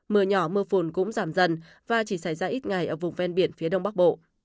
mưa nhỏ mưa phùn cũng giảm dần và chỉ xảy ra ít ngày ở vùng ven biển phía đông bắc bộ